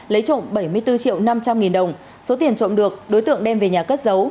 lấy trộm bảy mươi bốn triệu năm trăm linh nghìn đồng số tiền trộm được đối tượng đem về nhà cất giấu